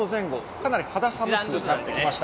かなり肌寒くなってきました。